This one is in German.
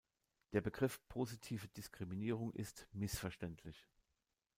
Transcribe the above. Der Begriff „positive Diskriminierung“ ist missverständlich.